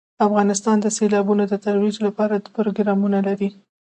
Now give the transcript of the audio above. افغانستان د سیلابونه د ترویج لپاره پروګرامونه لري.